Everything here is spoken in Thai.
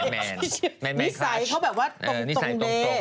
แมนนิสัยเขาแบบว่าตรงมันแมนคลัช